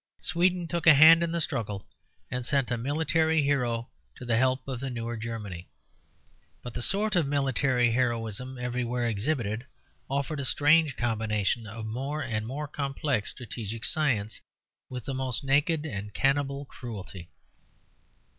Sweden took a hand in the struggle, and sent a military hero to the help of the newer Germany. But the sort of military heroism everywhere exhibited offered a strange combination of more and more complex strategic science with the most naked and cannibal cruelty.